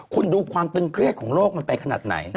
คุณดูความตึงเครียดของโลกมันไปขนาดไหน